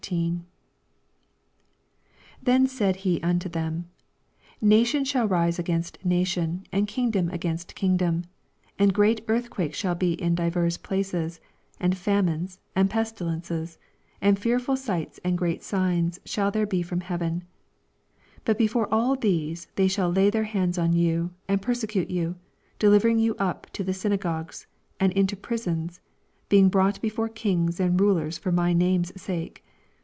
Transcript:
not to meditate before what ye shall Bhall rise agcdnst nation, and kingdom answer against kingdom : 11 And great earthquakes shall be in divers places, and famines, and pestilences; and fearful sights and great signs shall there be from heaven. 12 But before all these, they sh^l lay their hands on you, and persecute you, delivering you up to the syna gogues, and into prisons, being Drought before kings and rulers for my nume^s sake.